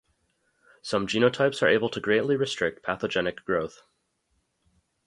Some genotypes are able to greatly restrict pathogenic growth.